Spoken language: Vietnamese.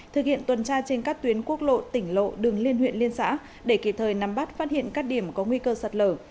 thực hiện tuần tra trên các tuyến quốc lộ tỉnh lộ đường liên huyện liên xã để kịp thời nắm bắt phát hiện các điểm có nguy cơ sạt lở